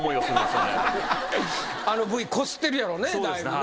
あのＶこすってるやろねだいぶね。